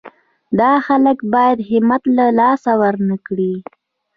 دا خلک باید همت له لاسه ورنه کړي.